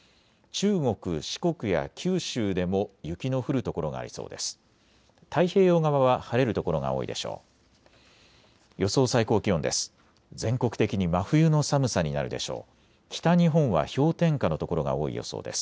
中国、四国や九州でも雪の降る所がありそうです。